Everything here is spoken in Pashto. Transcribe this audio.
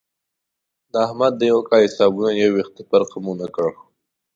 د احمد د یوه کال حسابونو یو وېښته فرق هم ونه کړ.